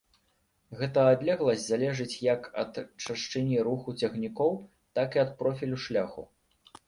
Гэта адлегласць залежыць як ад чашчыні руху цягнікоў, так і ад профілю шляху.